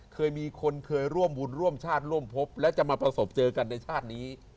เคยมีคนเคยร่วมบุญร่วมชาติร่วมพบและจะมาประสบเจอกันในชาตินี้